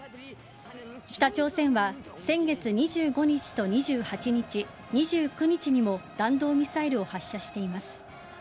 北朝鮮は先月２５日と２８日、２９日にも弾道ミサイルを発射しています。